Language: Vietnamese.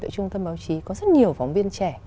ở trung tâm báo chí có rất nhiều phóng viên trẻ